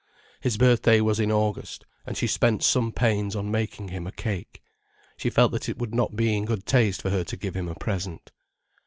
His birthday was in August, and she spent some pains on making him a cake. She felt that it would not be in good taste for her to give him a present.